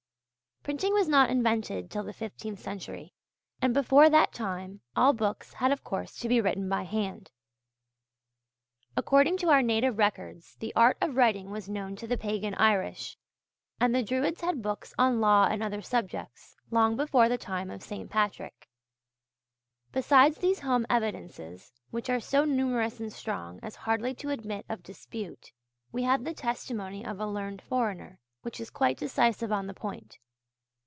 Printing was not invented till the fifteenth century, and before that time all books had of course to be written by hand. According to our native records the art of writing was known to the pagan Irish, and the druids had books on law and other subjects, long before the time of St. Patrick. Besides these home evidences, which are so numerous and strong as hardly to admit of dispute, we have the testimony of a learned foreigner, which is quite decisive on the point.